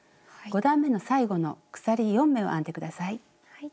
５段めの最後の鎖４目を編んで下さい。